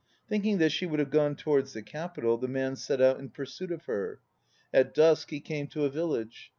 Thinking that she would have gone towards the Capital, the man set out in pursuit of her. At dusk he came to a village.